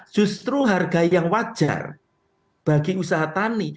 justru harga yang wajar bagi usaha tani